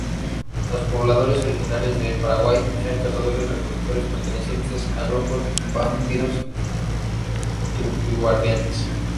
Los pobladores originarios de Paraguay eran cazadores-recolectores pertenecientes a grupos pámpidos y tupi-guaraníes.